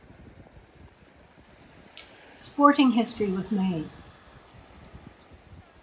Sporting history was made.